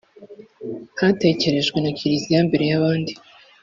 yatekerejwe na kiliziya mbere y’abandi